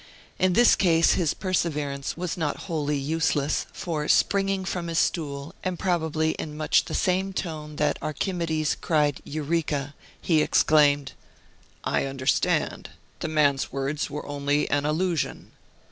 In this case his perseverance was not wholly useless, for, springing from his stool, and probably in much the same tone that Archimedes cried "Eureka!" he exclaimed, "I understand. The man's words were only an allusion."